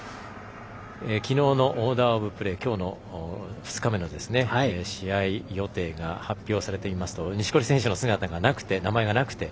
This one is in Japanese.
きのうのオーダーオブプレーきょうの２日目の試合予定が発表されていますと錦織選手の名前がなくて。